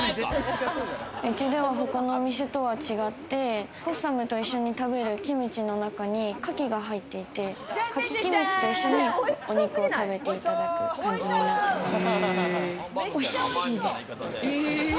家では他のお店とは違って、ボッサムと一緒に食べるキムチの中にカキが入っていて、カキキムチと一緒にお肉を食べていただく感じになっています。